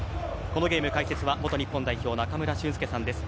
このゲーム解説は元日本代表中村俊輔さんです。